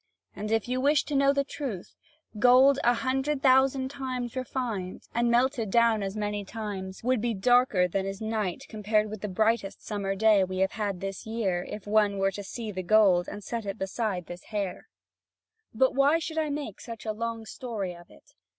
And if you wish to know the truth, gold a hundred thousand times refined, and melted down as many times, would be darker than is night compared with the brightest summer day we have had this year, if one were to see the gold and set it beside this hair. But why should I make a long story of it?